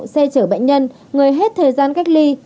xe chở bệnh nhân người hết thời gian cách ly